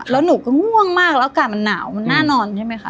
แล้วหนูก็ห่วงมากและอากาศนอน